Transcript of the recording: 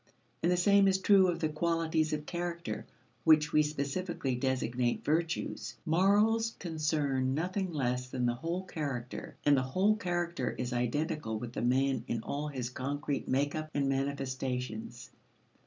And the same is true of the qualities of character which we specifically designate virtues. Morals concern nothing less than the whole character, and the whole character is identical with the man in all his concrete make up and manifestations.